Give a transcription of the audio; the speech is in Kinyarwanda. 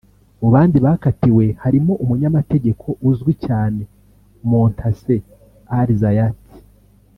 Mu bandi bakatiwe harimo Umunyamategeko uzwi cyane Montaser Al Zayat